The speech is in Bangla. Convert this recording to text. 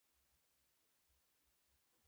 তারা স্বস্তির নিঃশ্বাস ফেলুক।